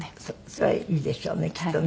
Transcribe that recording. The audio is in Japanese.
それはいいでしょうねきっとね。